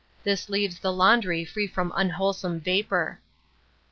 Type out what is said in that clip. This leaves the laundry free from unwholesome vapour.